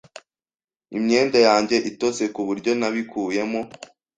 Imyenda yanjye itose kuburyo nabikuyemo.